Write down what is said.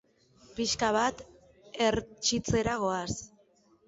Pixka bat hertsitzera goaz.